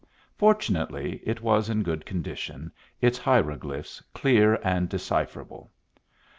Fortunately it was in good condition, its hiero glyphs clear and decipherable.